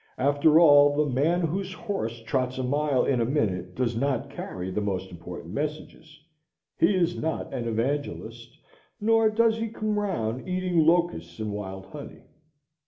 After all, the man whose horse trots a mile in a minute does not carry the most important messages; he is not an evangelist, nor does he come round eating locusts and wild honey.